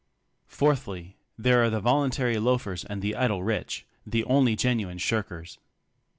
Fourthly, there are the voluntary loafers and the idle rich — the only genuine shirkers.